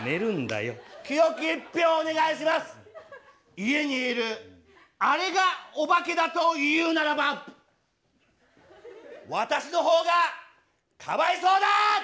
家にいるあれがお化けだというならば私の方がかわいそうだ！